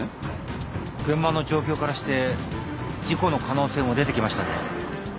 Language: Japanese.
現場の状況からして事故の可能性も出てきましたね。